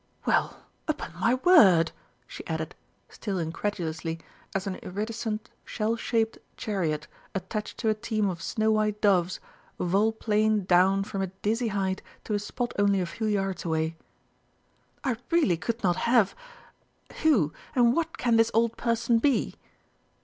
Well, upon my word!" she added, still incredulously, as an iridescent shell shaped chariot attached to a team of snow white doves volplaned down from a dizzy height to a spot only a few yards away, "I really could not have who, and what can this old person be?"